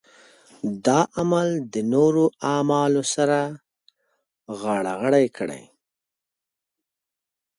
دا عمل د نورو اعمالو سره غاړه غړۍ کړي.